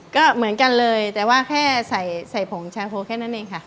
ก็เหมือนกันเลยแต่ว่าแค่ใส่ผงชาโพแค่นั้นเองค่ะ